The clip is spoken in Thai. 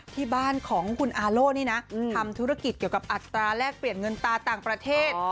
ที่บ้านของคุณอาโล่นี่นะทำธุรกิจเกี่ยวกับอัตราแลกเปลี่ยนเงินตาต่างประเทศ